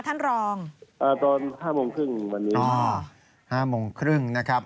ท่านรองอ่าตอนห้าโมงครึ่งวันนี้อ่าห้าโมงครึ่งนะครับ